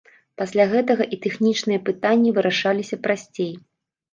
Пасля гэтага і тэхнічныя пытанні вырашаліся прасцей.